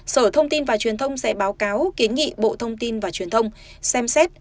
sở thông tin và truyền thông sẽ báo cáo kiến nghị bộ thông tin và truyền thông xem xét